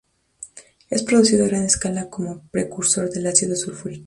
Es producido a gran escala como precursor del ácido sulfúrico.